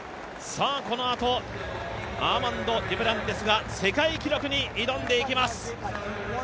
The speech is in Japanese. このあとアーマンド・デュプランティスが世界記録に挑んでいきます。